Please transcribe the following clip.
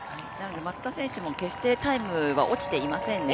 松田選手も決してタイムが落ちていませんね。